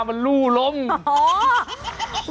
จัดกระบวนพร้อมกัน